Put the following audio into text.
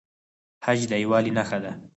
حج د یووالي نښه ده